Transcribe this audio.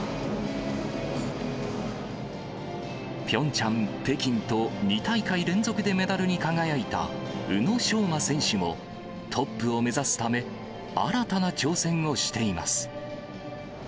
ピョンチャン、北京と、２大会連続でメダルに輝いた、宇野昌磨選手も、トップを目指すため、新たな挑戦をしています。